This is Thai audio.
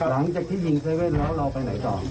หลังจากที่ยิง๗๑๑แล้วเราไปไหนต่อ